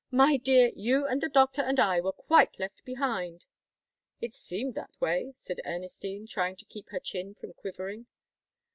"My dear, you and the doctor and I were quite left behind." "It seemed that way," said Ernestine, trying to keep her chin from quivering.